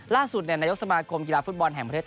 ล่าสุดนายกสมาคมกีฬาฟุตบอลแห่งประเทศไทย